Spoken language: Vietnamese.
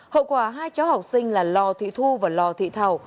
hậu quả hai cháu học sinh là lò thị thu và lò thị thảo